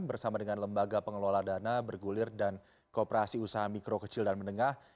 bersama dengan lembaga pengelola dana bergulir dan kooperasi usaha mikro kecil dan menengah